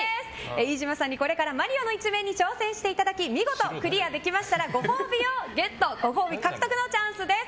飯島さんに、これから「マリオ」の１面に挑戦していただき見事クリアできればご褒美獲得のチャンスです。